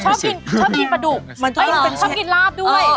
ชอบกินชอบกินปลาดุกชอบกินลาบด้วย